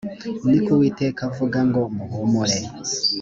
ni ko uwiteka avuga ngo muhumure